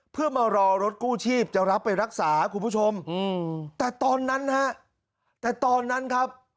เพื่อมารอรถกู้ชีพจะรับไปรักษาคุณผู้ชมแต่ตอนนั้นฮะแต่ตอนนั้นครับ